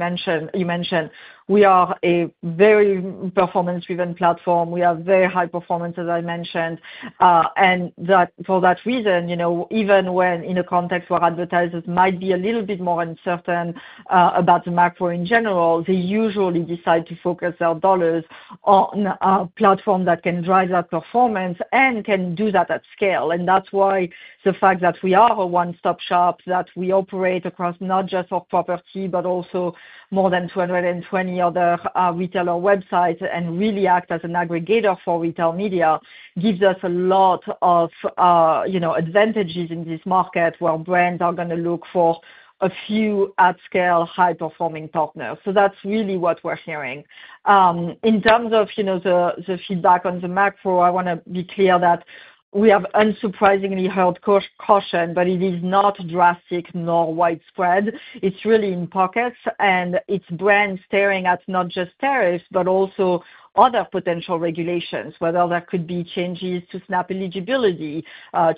mentioned. We are a very performance-driven platform. We have very high performance, as I mentioned. For that reason, even in a context where advertisers might be a little bit more uncertain about the macro in general, they usually decide to focus their dollars on a platform that can drive that performance and can do that at scale. That is why the fact that we are a one-stop shop, that we operate across not just our property, but also more than 220 other retailer websites and really act as an aggregator for retail media, gives us a lot of advantages in this market where brands are going to look for a few at-scale high-performing partners. That's really what we're hearing. In terms of the feedback on the macro, I want to be clear that we have unsurprisingly heard caution, but it is not drastic nor widespread. It's really in pockets, and it's brands staring at not just tariffs, but also other potential regulations, whether there could be changes to SNAP eligibility,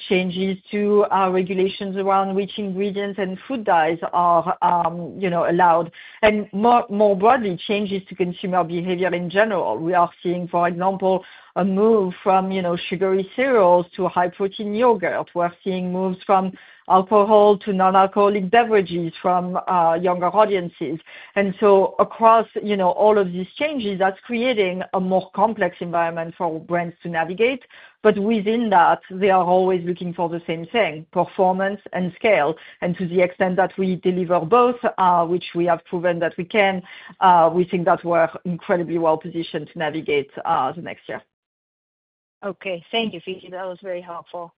changes to regulations around which ingredients and food dyes are allowed, and more broadly, changes to consumer behavior in general. We are seeing, for example, a move from sugary cereals to high-protein yogurt. We're seeing moves from alcohol to non-alcoholic beverages from younger audiences. Across all of these changes, that's creating a more complex environment for brands to navigate. Within that, they are always looking for the same thing: performance and scale. To the extent that we deliver both, which we have proven that we can, we think that we're incredibly well-positioned to navigate the next year. Okay. Thank you, Fidji. That was very helpful.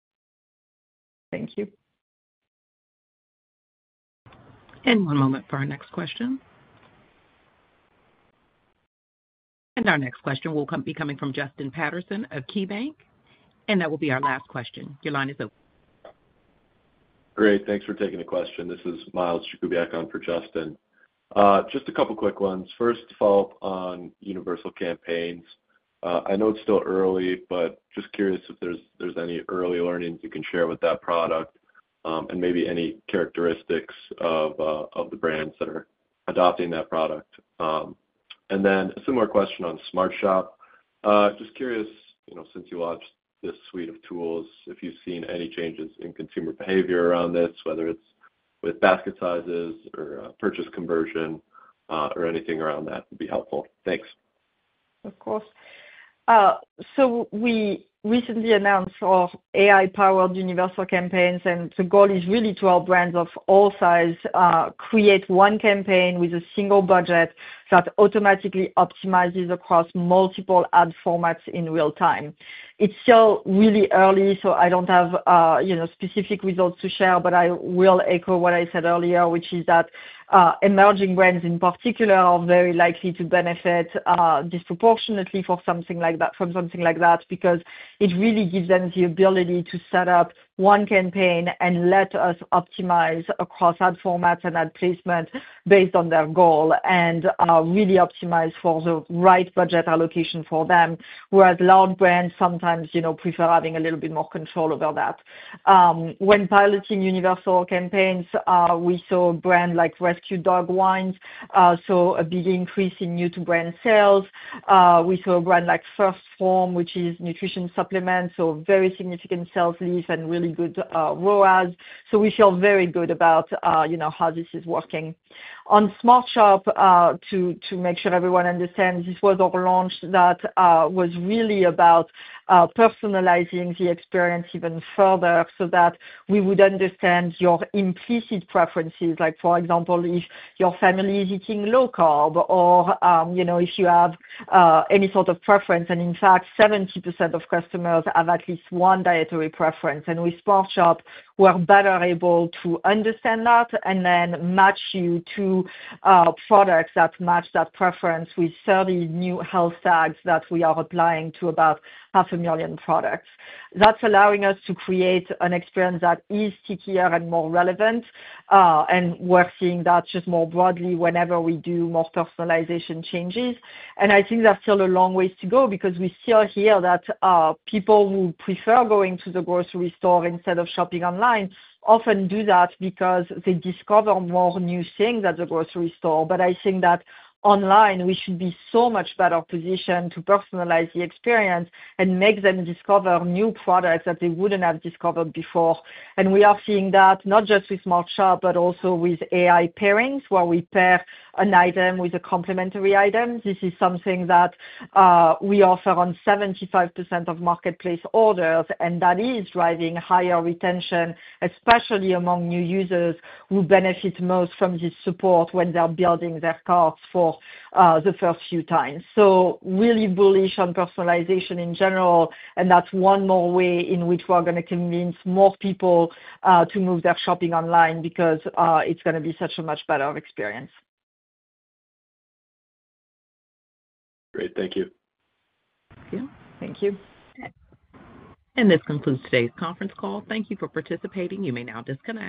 Thank you. One moment for our next question. Our next question will be coming from Justin Patterson of KeyBank. That will be our last question. Your line is open. Great. Thanks for taking the question. This is Miles Jakubiak for Justin. Just a couple of quick ones. First, to follow up on universal campaigns. I know it's still early, but just curious if there's any early learnings you can share with that product and maybe any characteristics of the brands that are adopting that product. A similar question on Smart Shop. Just curious, since you launched this suite of tools, if you've seen any changes in consumer behavior around this, whether it's with basket sizes or purchase conversion or anything around that, would be helpful. Thanks. Of course. We recently announced our AI-powered universal campaigns, and the goal is really to let our brands of all sizes create one campaign with a single budget that automatically optimizes across multiple ad formats in real time. It's still really early, so I don't have specific results to share, but I will echo what I said earlier, which is that emerging brands in particular are very likely to benefit disproportionately from something like that because it really gives them the ability to set up one campaign and let us optimize across ad formats and ad placement based on their goal and really optimize for the right budget allocation for them, whereas large brands sometimes prefer having a little bit more control over that. When piloting universal campaigns, we saw a brand like Rescue Dog Wines saw a big increase in new-to-brand sales. We saw a brand like First Form, which is nutrition supplements, so very significant sales leads and really good ROAS. We feel very good about how this is working. On Smart Shop, to make sure everyone understands, this was our launch that was really about personalizing the experience even further so that we would understand your implicit preferences. For example, if your family is eating low carb or if you have any sort of preference, in fact, 70% of customers have at least one dietary preference. With Smart Shop, we're better able to understand that and then match you to products that match that preference with 30 new health tags that we are applying to about 500,000 products. That is allowing us to create an experience that is stickier and more relevant, and we're seeing that just more broadly whenever we do more personalization changes. I think there's still a long way to go because we still hear that people who prefer going to the grocery store instead of shopping online often do that because they discover more new things at the grocery store. I think that online, we should be so much better positioned to personalize the experience and make them discover new products that they wouldn't have discovered before. We are seeing that not just with Smart Shop, but also with AI pairings where we pair an item with a complementary item. This is something that we offer on 75% of marketplace orders, and that is driving higher retention, especially among new users who benefit most from this support when they're building their carts for the first few times. Really bullish on personalization in general, and that's one more way in which we're going to convince more people to move their shopping online because it's going to be such a much better experience. Great. Thank you. Thank you. This concludes today's conference call. Thank you for participating. You may now disconnect.